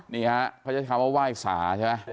เขาใช้คำว่าว่าว่ายสา